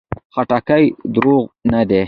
خټکی د دروغو نه ده.